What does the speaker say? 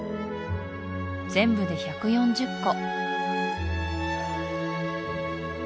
全部で１４０戸